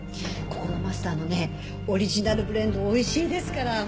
ここのマスターのねオリジナルブレンドおいしいですから。